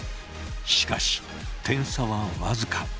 しかし点差は僅か。